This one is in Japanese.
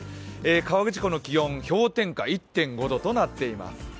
河口湖の気温、氷点下１．５度となっています。